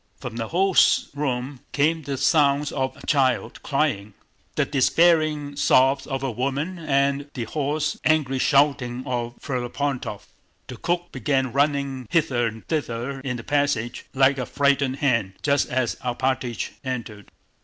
From the host's room came the sounds of a child crying, the despairing sobs of a woman, and the hoarse angry shouting of Ferapóntov. The cook began running hither and thither in the passage like a frightened hen, just as Alpátych entered.